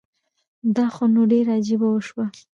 دا خو نو ډيره عجیبه وشوه